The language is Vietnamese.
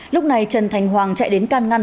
lúc này trần thành hoàng chạy đến can ngăn